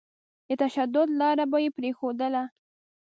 د تشدد لاره به يې پرېښودله.